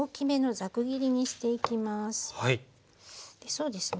そうですね